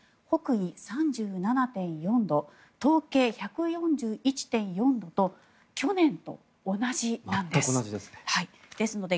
北緯３７．４度東経１４１．４度と去年と同じなんです。